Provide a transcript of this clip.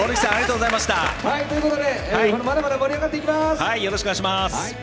まだまだ盛り上がっていきます！